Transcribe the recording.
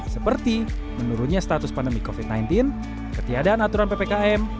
seperti menurunnya status pandemi covid sembilan belas ketiadaan aturan ppkm